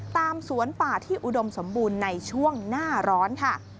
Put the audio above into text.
ตามสวนป่าที่อุดมสมบูรณ์ในช่วงหน้าร้อนค่ะ